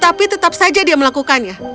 tapi tetap saja dia melakukannya